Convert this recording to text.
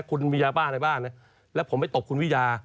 คุณมียาบ้าในบ้านนะแล้วผมไปตบคุณวิยา